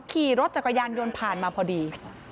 ขี่รถจักรยานยนต์ผ่านมาพอดี